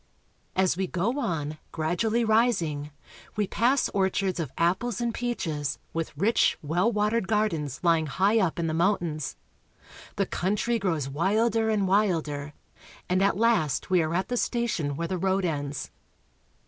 As we go on, gradually rising, we pass orchards of apples and peaches, with rich, well watered gardens lying high up in the mountains. The country grows wilder and wilder, and at last we are at the station where the road ends.